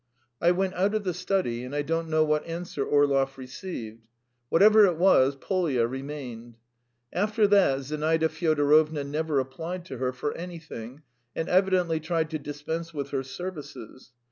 I went out of the study, and I don't know what answer Orlov received. Whatever it was, Polya remained. After that Zinaida Fyodorovna never applied to her for anything, and evidently tried to dispense with her services.